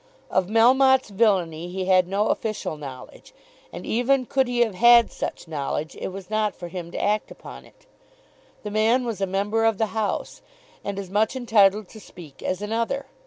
Of Melmotte's villainy he had no official knowledge. And even could he have had such knowledge it was not for him to act upon it. The man was a member of the House, and as much entitled to speak as another.